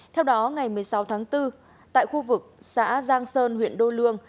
theo đó ngày một mươi sáu tháng bốn tại khu vực xã giang sơn huyện đô lương